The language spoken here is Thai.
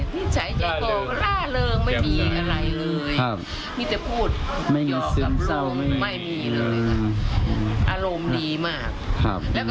นอนคืนสุดท้ายก็นอน